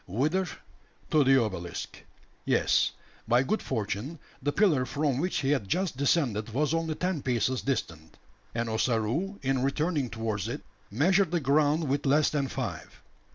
Whither? To the obelisk. Yes, by good fortune, the pillar from which he had just descended was only ten paces distant; and Ossaroo, in returning towards it, measured the ground with less than five.